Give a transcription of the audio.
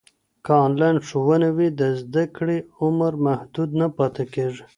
که انلاین ښوونه وي، د زده کړې عمر محدود نه پاته کېږي.